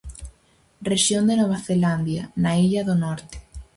Rexión de Nova Zelandia, na Illa do Norte.